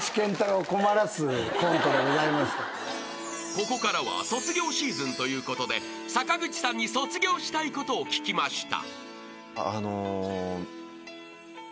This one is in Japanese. ［ここからは卒業シーズンということで坂口さんに卒業したいことを聞きました］